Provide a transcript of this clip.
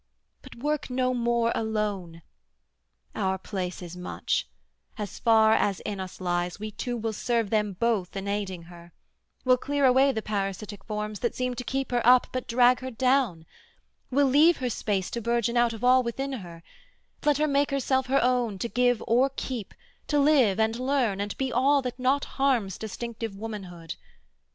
but work no more alone! Our place is much: as far as in us lies We two will serve them both in aiding her Will clear away the parasitic forms That seem to keep her up but drag her down Will leave her space to burgeon out of all Within her let her make herself her own To give or keep, to live and learn and be All that not harms distinctive womanhood.